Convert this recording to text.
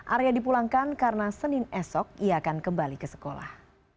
arya dipulangkan karena senin esok ia akan kembali ke sekolah